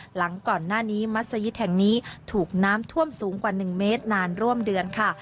หลังก่อนหน้านี้มัศยิตแห่งนี้ถูกน้ำท่วมสูงกว่า๑เมตรนานร่วมเดือนค่ะ